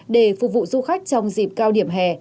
để phục vụ du khách trong dịp cao điểm hè